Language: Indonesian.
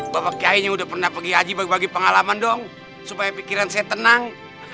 bapak kiainya udah pernah pergi haji bagi bagi pengalaman dong supaya pikiran saya tenang